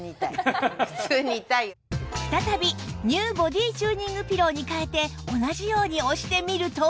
再び ＮＥＷ ボディチューニングピローに替えて同じように押してみると